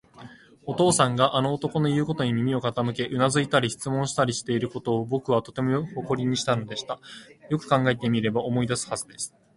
お父さんがあの男のいうことに耳を傾け、うなずいたり、質問したりしていることを、ぼくはとても誇りにしたのでした。よく考えてみれば、思い出すはずです。